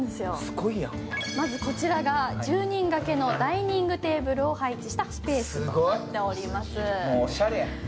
まずこちらが１０人掛けのダイニングテーブルを配したスペースです。